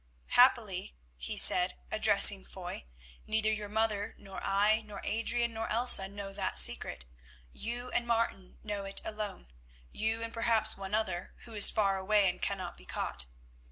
"Happily," he said, addressing Foy, "neither your mother nor I, nor Adrian, nor Elsa, know that secret; you and Martin know it alone, you and perhaps one other who is far away and cannot be caught.